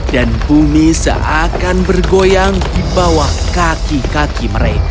dan bumi seakan bergoyang di bawah kaki